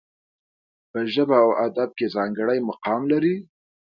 په ژبه او ادب کې ځانګړی مقام لري.